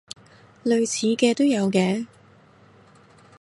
類似嘅都有嘅